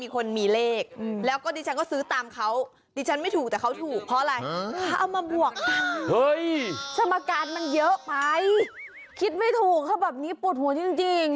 คิดไม่ถูกค่ะแบบนี้ปวดหัวจริง